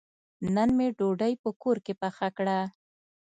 نن مې ډوډۍ په کور کې پخه کړه.